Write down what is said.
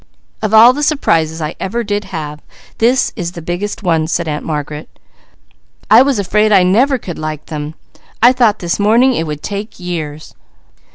"Of all the surprises I ever did have, this is the biggest one!" said Aunt Margaret. "I was afraid I never could like them. I thought this morning it would take years."